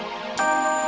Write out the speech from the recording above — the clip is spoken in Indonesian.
nih makan ya pa